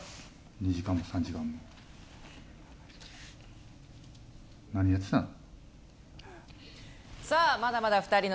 ２時間も３時間も何やってたの。